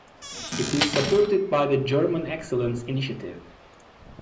It is supported by the German Excellence Initiative.